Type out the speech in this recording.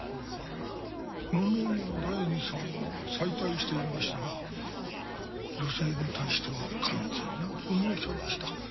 野々宮大弐さんは妻帯していましたが女性に対しては完全な不能者でした。